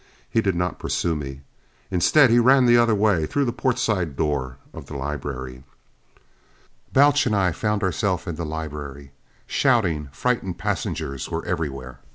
He did not pursue me. Instead he ran the other way, through the portside door of the library. Balch and I found ourselves in the library. Shouting, frightened passengers were everywhere.